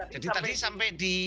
jadi tadi sampai di ini